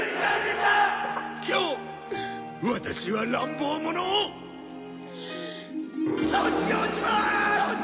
今日ワタシは乱暴者を卒業します！